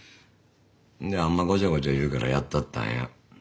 であんまごちゃごちゃ言うからやったったんや。